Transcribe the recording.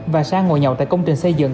và sang ngồi nhậu tại công trình xây dựng